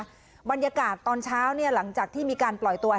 บรรยากาศตอนเช้าเนี่ยหลังจากที่มีการปล่อยตัว